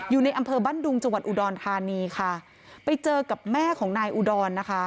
อยู่ในอำเภอบ้านดุงจังหวัดอุดรธานีค่ะไปเจอกับแม่ของนายอุดรนะคะ